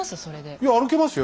いや歩けますよ？